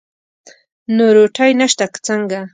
نو روټۍ نشته که څنګه؟